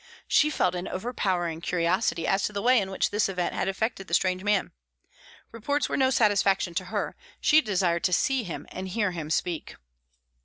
She felt an overpowering curiosity as to the way in which this event had affected the strange man. Reports were no satisfaction to her; she desired to see him and hear him speak.